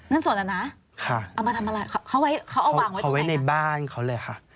นั่นสดอ่ะนะเอามาทำอะไรเขาเอาวางไว้ตรงไหนเขาเอาไว้ในบ้านเขาเลยค่ะ